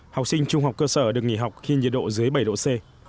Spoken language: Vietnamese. học sinh trung học cơ sở được nghỉ học khi nhiệt độ dưới bảy độ c